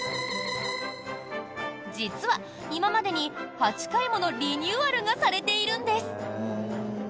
実は今までに８回ものリニューアルがされているんです！